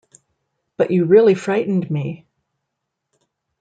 But you really frightened me.